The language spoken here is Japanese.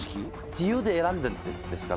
自由で選んだんですか？